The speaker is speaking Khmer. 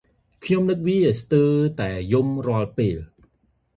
ខ្ញុំនឹកវា ស្ទើរតែយំរាល់ពេល។